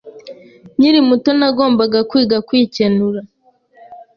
Nkiri muto, nagombaga kwiga kwikenura.